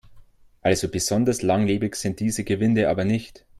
Also besonders langlebig sind diese Gewinde aber nicht.